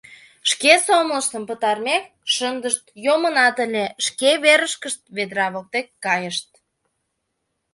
Шке сомылыштым пытарымек, шыдышт йомынат ыле, шке верышкышт, ведра воктек, кайышт.